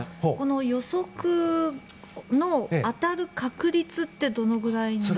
予測の当たる確率ってどのくらいなんですか？